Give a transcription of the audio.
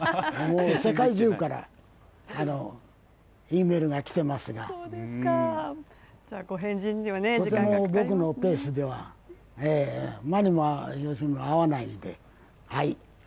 世界中からＥメールが来ていますが、とても僕のペースでは間に合わないので。